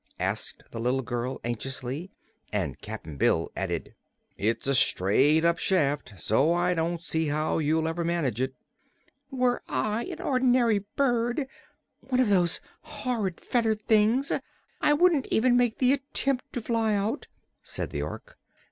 asked the little girl anxiously; and Cap'n Bill added: "It's a straight up shaft, so I don't see how you'll ever manage it." "Were I an ordinary bird one of those horrid feathered things I wouldn't even make the attempt to fly out," said the Ork.